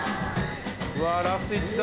うわラスト１だ。